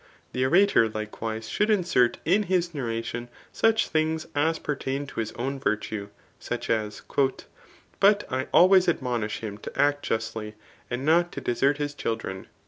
The orator, likewise^ should insert in his narration such things as pertain, to his own virtue ; such, as, ^ But I always admonished him to act justly, and n6t to desert Iiis children."